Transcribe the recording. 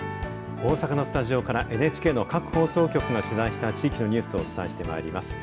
大阪のスタジオからＮＨＫの各放送局が取材した地域のニュースをお伝えしてまいります。